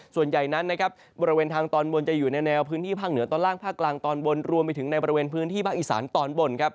ส่วนใหญ่นั้นนะครับบริเวณทางตอนบนจะอยู่ในแนวพื้นที่ภาคเหนือตอนล่างภาคกลางตอนบนรวมไปถึงในบริเวณพื้นที่ภาคอีสานตอนบนครับ